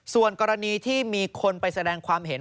ส่วนกรณีที่มีคนไปแสดงความเห็น